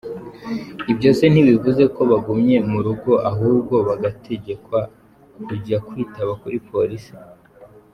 Ibyo se ntibivuze ko bagumye murugo ahubwo bagategekwa kujya bitaba kuri police?